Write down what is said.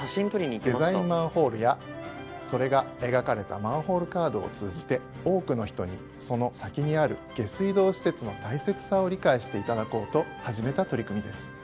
デザインマンホールやそれが描かれたマンホールカードを通じて多くの人にその先にある下水道施設の大切さを理解して頂こうと始めた取り組みです。